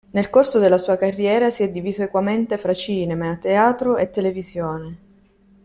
Nel corso della sua carriera si è diviso equamente fra cinema, teatro e televisione.